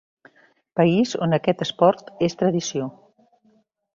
País on aquest esport és tradició.